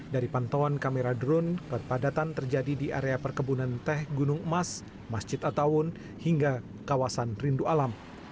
dari pantauan kamera drone perpadatan terjadi di area perkebunan teh gunung emas masjid attawun hingga kawasan rindu alam